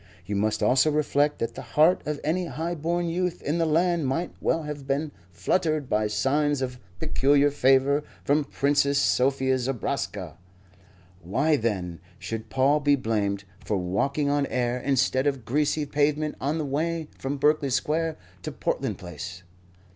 You must also reflect that the heart of any high born youth in the land might well have been fluttered by signs of peculiar favour from Princess Sophie Zobraska. Why, then, should Paul be blamed for walking on air instead of greasy pavement on the way from Berkeley Square to Portland Place?